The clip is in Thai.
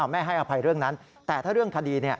ไม่ให้อภัยเรื่องนั้นแต่ถ้าเรื่องคดี